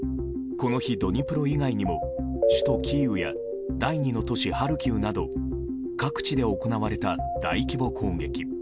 この日、ドニプロ以外にも首都キーウや第２の都市ハルキウなど各地で行われた大規模攻撃。